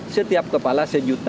setiap kepala satu tiga puluh empat